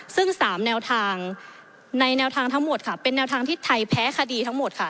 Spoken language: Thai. ซึ่ง๓แนวทางในแนวทางทั้งหมดค่ะเป็นแนวทางที่ไทยแพ้คดีทั้งหมดค่ะ